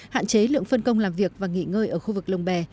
hạn chế lượng phân công làm việc và nghỉ ngơi ở khu vực lồng bè